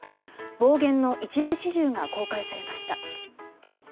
暴言の一部始終が公開されました。